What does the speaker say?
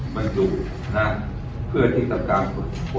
เพื่อที่บรรเงามีความสุข